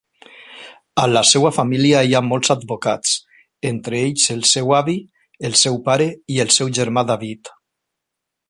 A la seva família hi ha molts advocats, entre ells el seu avi, el seu pare i el seu germà David.